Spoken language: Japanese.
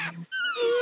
うわ！